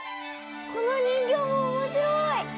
この人形も面白い！